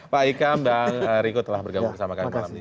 pak ika mbak riko telah bergabung bersama kami